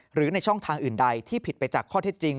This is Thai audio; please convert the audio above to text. หรือในช่องทางอื่นใดที่ผิดไปจากข้อเท็จจริง